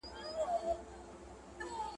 • يو مار، بل مار نه سي خوړلاى.